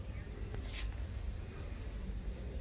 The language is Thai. สวัสดีสวัสดีครับ